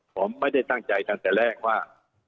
ผมไม่ได้ตั้งใจตั้งแต่แรกว่า